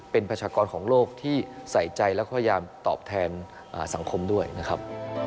เป็นประชากรของโลกที่ใส่ใจแล้วก็พยายามตอบแทนสังคมด้วยนะครับ